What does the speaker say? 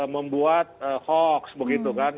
membuat hoax begitu kan